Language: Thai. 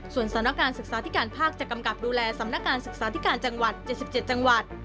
ส่วนสถานการณ์ศึกษาธิการภาคจะกำกับดูแลสำนักการศึกษาธิการจังหวัด๗๗จังหวัด